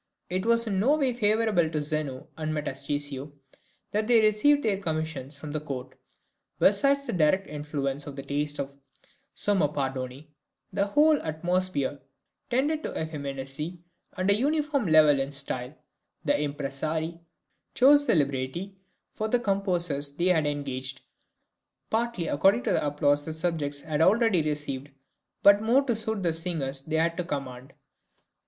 It was in no way favourable to Zeno and Metastasio that they received their commissions from the court; besides the direct influence of the taste of the somme padrone, the whole atmosphere tended to effeminacy and a uniform level in style. The impresarii chose the libretti for the composers they had engaged, partly according to the applause the subjects had already received, but more to suit the singers they had at command.